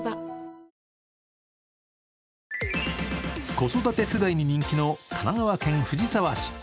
子育て世代に人気の神奈川県藤沢市。